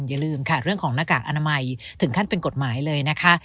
อย่าลืมค่ะเรื่องของหน้ากากอนามัยถึงขั้นเป็นกฎหมายเลยนะคะ